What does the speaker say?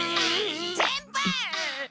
先輩！